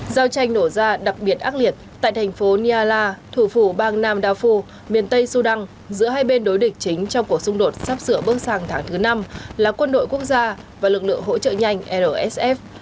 giao tranh nổ ra đặc biệt ác liệt tại thành phố niala thủ phủ bang nam đa phu miền tây sudan giữa hai bên đối địch chính trong cuộc xung đột sắp sửa bước sang tháng thứ năm là quân đội quốc gia và lực lượng hỗ trợ nhanh rsf